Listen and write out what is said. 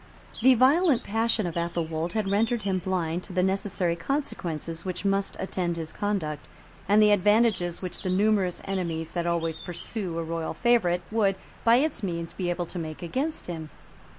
The violent passion of Athelwold had rendered him blind to the necessary consequences which must attend his conduct, and the advantages which the numerous enemies, that always pursue a royal favorite, would, by its means, be able to make against him.